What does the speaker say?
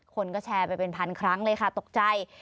คนก็แชร์ไปเป็นพันครั้งเลยค่ะตกใจ